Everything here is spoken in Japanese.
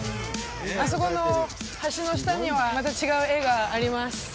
あそこの橋の下にはまた違う絵があります